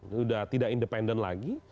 sudah tidak independen lagi